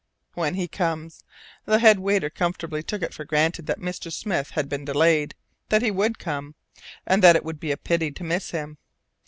"When he comes!" The head waiter comfortably took it for granted that Mr. Smith had been delayed, that he would come, and that it would be a pity to miss him.